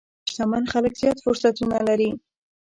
شتمن خلک زیات فرصتونه لري.